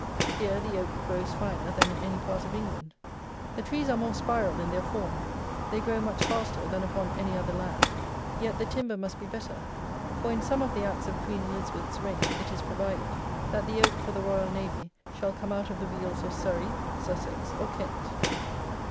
Here the oak grows finer than in any part of England. The trees are more spiral in their form. They grow much faster than upon any other land. Yet the timber must be better; for, in some of the Acts of Queen Elizabeth's reign, it is provided, that the oak for the Royal Navy shall come out of the Wealds of Surrey, Sussex, or Kent.